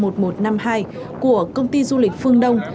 của công ty du lịch phương đông